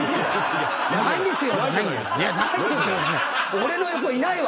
俺の横いないわ！